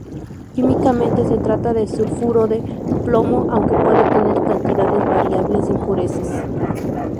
Químicamente se trata de sulfuro de plomo aunque puede tener cantidades variables de impurezas.